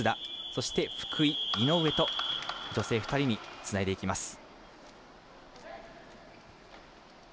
そして福井、井上と女性２人につないでいきます。